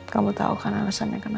kamu tau kan alasannya kenapa